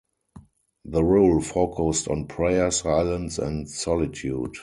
The rule focused on prayer, silence, and solitude.